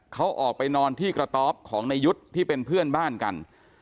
เขาออกไปนอนที่กระต๊อบของนายยุทธ์ที่เป็นเพื่อนบ้านกัน